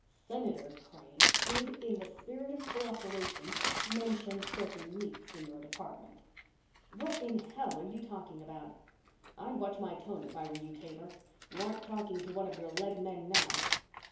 "Senator Crane did, in the spirit of co operation, mention certain leaks in your department." "What in hell are you talking about?" "I'd watch my tone if I were you, Taber. You aren't talking to one of your legmen now!"